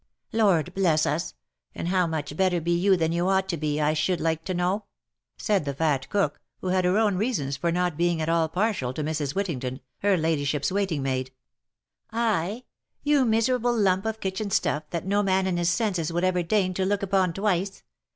" Lord bless us ! and how much better be you than you ought to be, I should like to know V said the fat cook, who had her own reasons for not t being at all partial to Mrs. Wittington, her ladyship's waiting maid. " I !— You miserable lump of kitchen stuff, that no man in his senses would ever deign to look upon twice